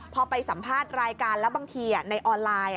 พอไปสัมภาษณ์รายการแล้วบางทีในออนไลน์